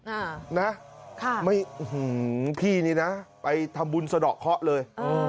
อ่านะค่ะไม่อื้อหือพี่นี่นะไปทำบุญสะดอกเคาะเลยเออ